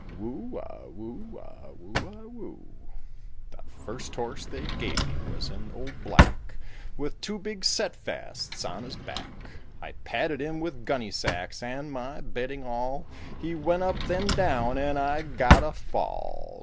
Whoo a whoo a whoo a whoo. The first horse they gave me was an old black With two big set fasts on his back; I padded him with gunny sacks and my bedding all; He went up, then down, and I got a fall.